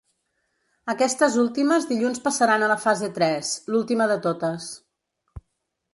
Aquestes últimes dilluns passaran a la fase tres, l’última de totes.